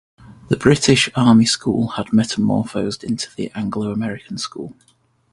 The British Army School had metamorphosed into the Anglo-American school.